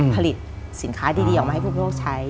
ผลิตสินค้าดีออกมาให้พวกใช้